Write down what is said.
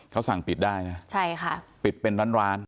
เขาสั่งปิดได้นะใช่ค่ะปิดเป็นร้านร้าน